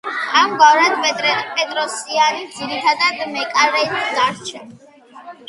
ამგვარად, პეტროსიანი ძირითად მეკარედ დარჩა.